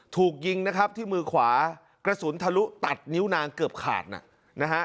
ถูกยิงนะครับที่มือขวากระสุนทะลุตัดนิ้วนางเกือบขาดนะฮะ